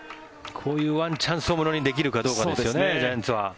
こういうワンチャンスをものにできるかどうかですねジャイアンツは。